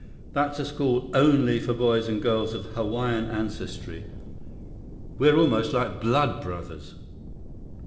That's a school only for boys and girls of Hawaiian ancestry. We're almost like blood brothers."